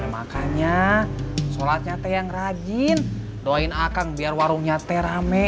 makanya sholatnya teh yang rajin doain akan biar warungnya teh rame